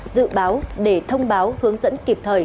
dự báo để thông báo hướng dẫn kịp thời